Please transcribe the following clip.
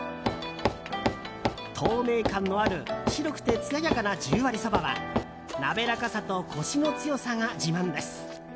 透明感のある白くてつややかな十割そばは滑らかさとコシの強さが自慢です。